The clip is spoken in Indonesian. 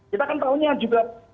kita kan tahunya juga